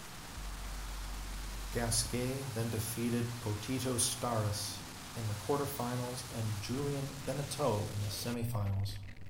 Gasquet then defeated Potito Starace in the quarterfinals and Julien Benneteau in the semifinals.